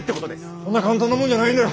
そんな簡単なもんじゃないんだよ。